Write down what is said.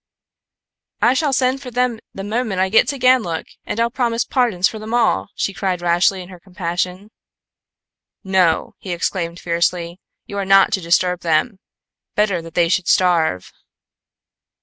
"I shall send for them the moment I get to Ganlook and I'll promise pardons for them all," she cried rashly, in her compassion. "No!" he exclaimed fiercely. "You are not to disturb them. Better that they should starve."